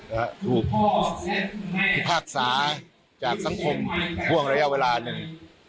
และถูกภาษาจากสังคมกว่างระยะเวลานึง